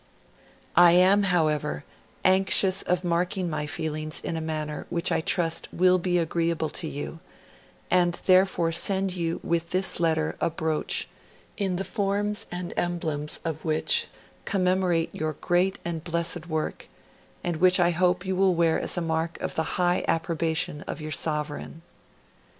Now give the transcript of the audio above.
I am, however, anxious of marking my feelings in a manner which I trust will be agreeable to you, and therefore, send you with this letter a brooch, the form and emblems of which commemorate your great and blessed work, and which I hope you will wear as a mark of the high approbation of your Sovereign!